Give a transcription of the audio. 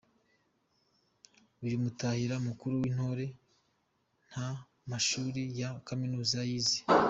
Uyu Mutahira mukuru w’Intore nta mashuri ya Kaminuza yize.